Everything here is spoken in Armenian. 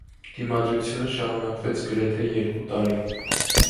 Դիմադրությունը շարունակվեց գրեթե երկու տարի։